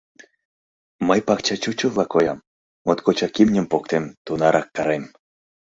Мый пакча чучылла коям, моткочак имньым поктем, тунарак карем.